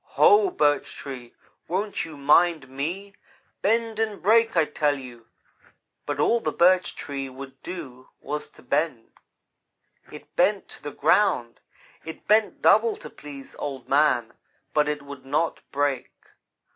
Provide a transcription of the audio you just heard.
"'Ho! Birch Tree, won't you mind me? Bend and break! I tell you,' but all the Birch Tree would do was to bend. "It bent to the ground; it bent double to please Old man, but it would not break.